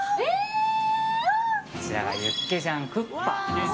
こちらがユッケジャンクッパです。